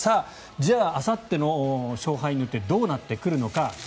じゃあ、あさっての勝敗によってどうなってくるのか。